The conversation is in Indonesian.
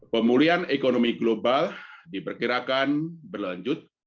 pemulihan ekonomi global diperkirakan berlanjut